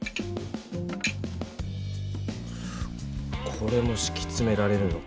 これもしきつめられるのか。